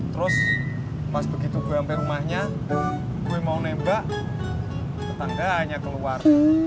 terus pas begitu gue hampir rumahnya gue mau nembak tetangga hanya keluar